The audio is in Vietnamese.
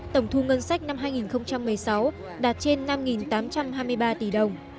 tổng thu ngân sách năm hai nghìn một mươi sáu đạt trên năm tám trăm hai mươi ba tỷ đồng